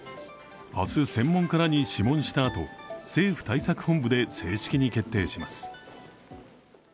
明日、専門家らに諮問したあと政府対策本部で正式に決定します。